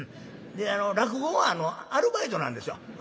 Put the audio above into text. で落語はアルバイトなんですよ。